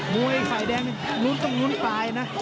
มุยไขไดดงนี้ตรงนู้นตายนะ